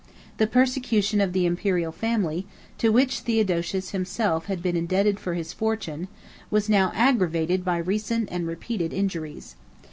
The persecution of the Imperial family, to which Theodosius himself had been indebted for his fortune, was now aggravated by recent and repeated injuries.